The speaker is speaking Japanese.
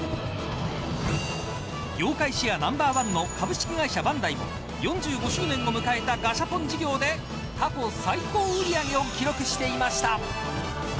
業界シェアナンバーワンの株式会社バンダイも４５周年を迎えたガシャポン事業で過去最高売上を記録していました。